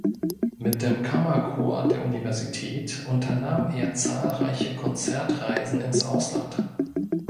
Mit dem Kammerchor der Universität unternahm er zahlreiche Konzertreisen ins Ausland.